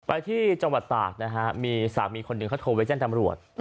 ไปที่จังหวัดตากนะฮะมีสามีคนหนึ่งเขาโทรไปแจ้งตำรวจ